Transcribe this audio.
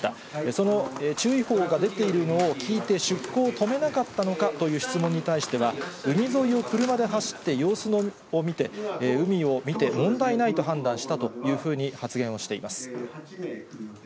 その注意報が出ているのを聞いて、出航を止めなかったのかという質問に対しては、海沿いを車で走って様子を見て、海を見て、問題ないと判断したというふうに発言をしています。